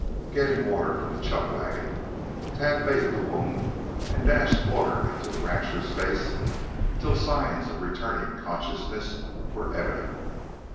Getting water from the chuck wagon, Tad bathed the wound and dashed water into the rancher's face until signs of returning consciousness were evident.